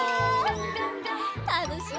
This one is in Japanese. たのしいね！